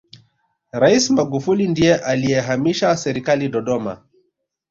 raisi magufuli ndiye aliyehamishia serikali dodoma